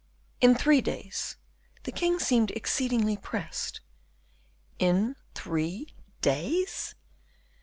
"In three days. The king seemed exceedingly pressed." "_In three days?